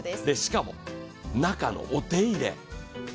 しかも、中のお手入れ。